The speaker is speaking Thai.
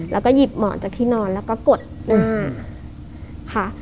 แล้วก็หยิบหมอนจากที่นอนแล้วก็กดหน้าค่ะ